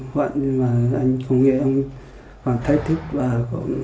không cho mẩy liên lạc với các con